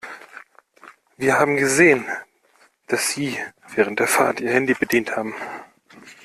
Wir haben gesehen, dass Sie während der Fahrt Ihr Handy bedient haben.